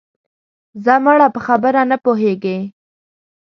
ځه مړه په خبره نه پوهېږې